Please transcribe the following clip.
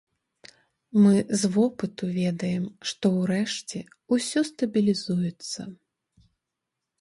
Мы з вопыту ведаем, што, урэшце, усё стабілізуецца.